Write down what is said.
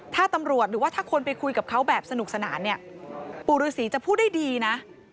ถ้าตำรวจหรือว่าถ้าคนไปคุยกับเขาแบบสนุกสนานเนี่ยปู่ฤษีจะพูดได้ดีนะ